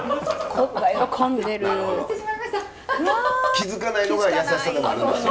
気付かないのが優しさでもあるんですよ。